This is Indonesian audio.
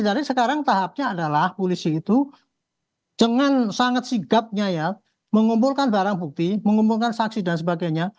jadi sekarang tahapnya adalah polisi itu dengan sangat sigapnya ya mengumpulkan barang bukti mengumpulkan saksi dan sebagainya